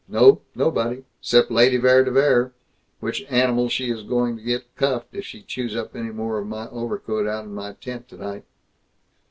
"No. Nobody. 'Cept Lady Vere de Vere which animal she is going to get cuffed if she chews up any more of my overcoat out in my tent tonight!...